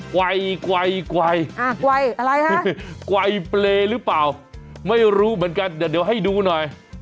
ไกลไกลไกลอะไรครับไกลเปลหรือเปล่าไม่รู้เหมือนกันแต่เดี๋ยวให้ดูหน่อย